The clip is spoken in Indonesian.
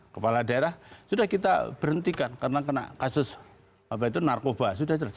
kepala daerah sudah kita berhentikan karena kena kasus apa itu narkoba sudah jelas